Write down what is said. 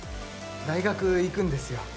大学行くんですよ。